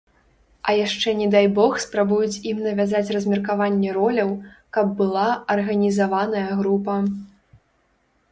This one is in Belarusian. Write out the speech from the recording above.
А яшчэ не дай бог спрабуюць ім навязаць размеркаванне роляў, каб была арганізаваная група.